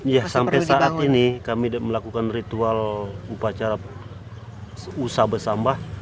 ya sampai saat ini kami melakukan ritual upacara usah besambah